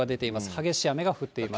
激しい雨が降っています。